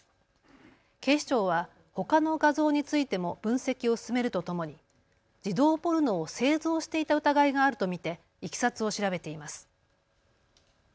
警視庁はほかの画像についても分析を進めるとともに児童ポルノを製造していた疑いがあると見ていきさつを調べています。